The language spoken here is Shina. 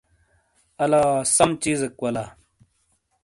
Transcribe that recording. الا سم چیزیک ولا ۔